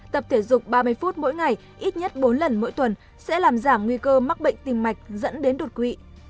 tập thể dục ba mươi phút mỗi ngày ít nhất bốn lần mỗi tuần sẽ làm giảm nguy cơ mắc bệnh tim mạch dẫn đến đột quỵ